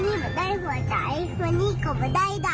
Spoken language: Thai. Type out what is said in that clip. สุดท้ายของพ่อต้องรักมากกว่านี้ครับ